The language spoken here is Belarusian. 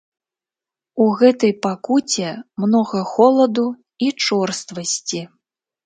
У гэтай пакуце многа холаду і чорствасці.